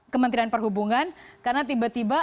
kementerian perhubungan karena tiba tiba